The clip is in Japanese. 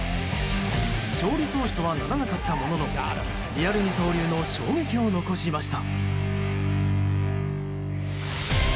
勝利投手とはならなかったもののリアル二刀流の衝撃を残しました。